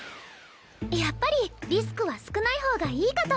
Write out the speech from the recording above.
やっぱりリスクは少ない方がいいかと。